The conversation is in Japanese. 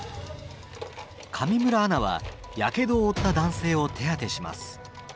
上村アナは火傷を負った男性を手当てします。